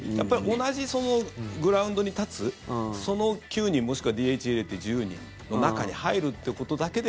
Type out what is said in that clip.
同じグラウンドに立つその９人もしくはＤＨ入れて１０人の中に入るっていうことだけで。